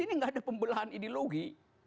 jelas ada pembelahan ideologi